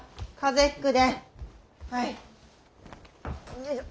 よいしょ。